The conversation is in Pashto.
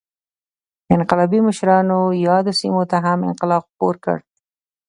انقلابي مشرانو یادو سیمو ته هم انقلاب خپور کړ.